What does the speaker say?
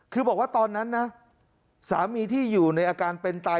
คือบอกว่าตอนนั้นนะสามีที่อยู่ในอาการเป็นตาย